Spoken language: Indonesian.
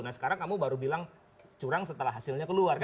nah sekarang kamu baru bilang curang setelah hasilnya keluar gitu